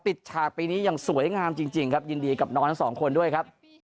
ฉากปีนี้อย่างสวยงามจริงครับยินดีกับน้องทั้งสองคนด้วยครับ